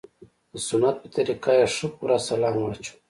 د سنت په طريقه يې ښه پوره سلام واچاوه.